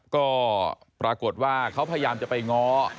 ก็ปรากฏว่าเขาพยายามจะไปง้อ